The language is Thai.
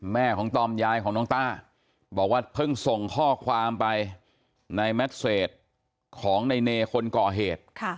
แม่ของตอมยายของน้องต้าบอกว่าเพิ่งส่งข้อความไปในแมทเซตของในเนคนก่อเหตุ